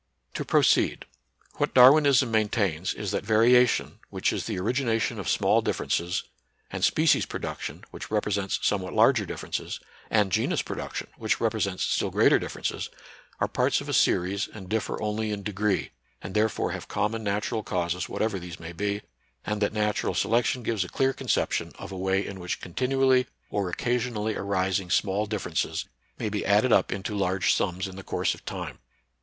To proceed : what Darwinism maintains is that variation, which is the origination of small differences, and species production, which repre sents somewhat larger differences, and genus production, which represents still greater differences, are parts of a series and differ only in degree, and therefore have common natural causes whatever these may be ; and that natural selection gives a clear conception 76 NATURAL SCIENCE AND RELIGION, of a way in which continually or occasionally arising small differences may be added up into large sums in the course of time.